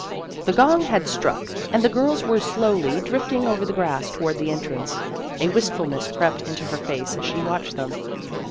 The gong had struck, and the girls were slowly drifting over the grass toward the entrance. A wistfulness crept into her face as she watched them.